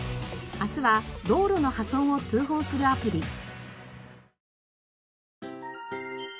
明日は道路の破損を通報するアプリ。